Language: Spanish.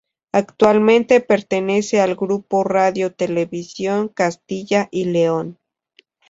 Actualmente pertenece al grupo Radio Televisión Castilla y León.